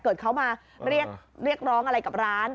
เกิดเขามาเรียกร้องอะไรกับร้าน